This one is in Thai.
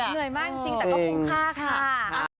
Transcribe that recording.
เหนื่อยมากจริงแต่ก็คงพลาดค่ะ